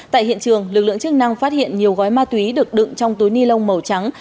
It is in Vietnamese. tại hiện trường lực lượng chức năng phát hiện nhiều gói ma túy được đựng trong túi ni lông màu trắng